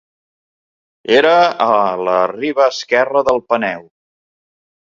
Era a la riba esquerra del Peneu.